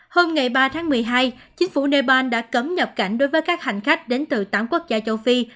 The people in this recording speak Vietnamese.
hôm ngày ba tháng một mươi hai chính phủ nepal đã cấm nhập cảnh đối với các hành khách đến từ tám quốc gia châu phi